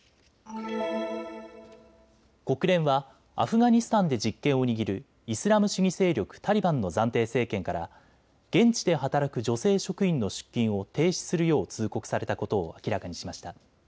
国連はアフガニスタンで実権を握るイスラム主義勢力タリバンの暫定政権から現地で働く女性職員の出勤を停止するよう通告されたことを明らかにしました。